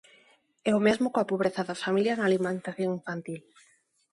E o mesmo coa pobreza das familias na alimentación infantil.